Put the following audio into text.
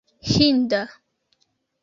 hinda